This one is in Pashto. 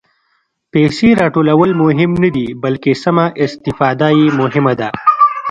پېسې راټولول مهم نه دي، بلکې سمه استفاده یې مهمه ده.